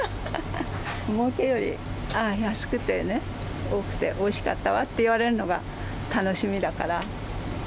もうけより、ああ、安くて多くておいしかったわって言われるのが楽しみだから。